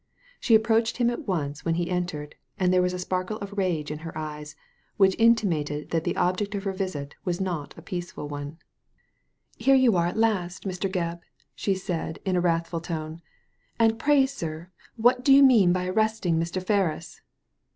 She approached him at once when he entered, and there was a sparkle of rage in her eyes, which intimated that the object of her visit was not a peaceful one. Digitized by Google 170 THE LADY FROM NOWHERE " Here you are at last, Mr. Gebb !" she said, in a wrathful voice. " And pray, sir, what do you mean by arresting Mr. Ferris